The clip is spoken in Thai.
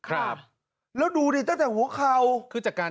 แล้วดูดิตั้งแต่หัวเขา